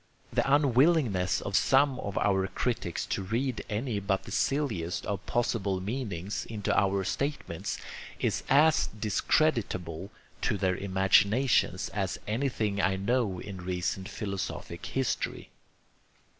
The unwillingness of some of our critics to read any but the silliest of possible meanings into our statements is as discreditable to their imaginations as anything I know in recent philosophic history.